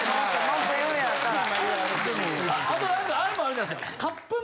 あとなんかあれもあるじゃないですか。